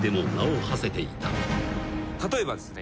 例えばですね